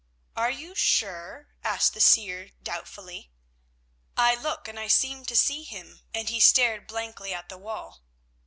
"Are you sure?" asked the seer doubtfully. "I look and I seem to see him," and he stared blankly at the wall.